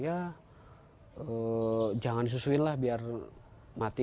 ya jangan disusuinlah biar mati